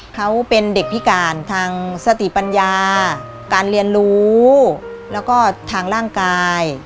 เขาเป็นเด็กพิการทางสติปัญญาการเรียนรู้แล้วก็ทางร่างกาย